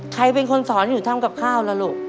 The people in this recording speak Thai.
ใครเป็นคนสอนอยู่ทำกับข้าวล่ะลูก